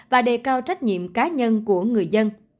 và đề cao trách nhiệm cá nhân của người dân